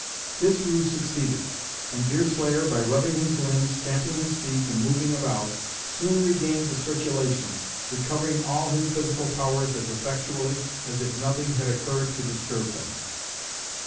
This ruse succeeded, and Deerslayer by rubbing his limbs, stamping his feet, and moving about, soon regained the circulation, recovering all his physical powers as effectually as if nothing had occurred to disturb them.